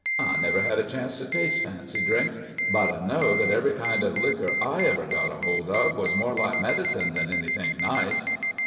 I never had a chance to taste fancy drinks, but I know that every kind of liquor I ever got hold of was more like medicine than anything nice."